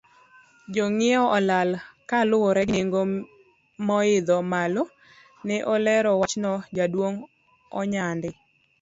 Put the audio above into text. Jongiewo olal kaluwore gi nengo moidho malo, ne olero wachno, jaduong Onyadi.